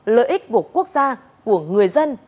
lợi ích của quốc gia của người dân